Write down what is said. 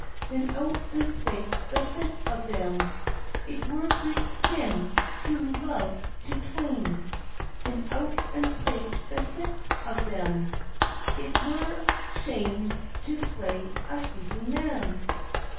Then out and spake the fifth o' them, "It were great sin true love to twain!" And out and spake the sixth o' them, "It were shame to slay a sleeping man!"